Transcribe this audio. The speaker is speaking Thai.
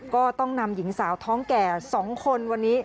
ก็ต้องนำหญิงสาวท้องแก่๒คนวันนี้